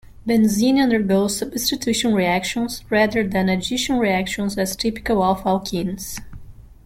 Benzene undergoes substitution reactions, rather than addition reactions as typical for alkenes.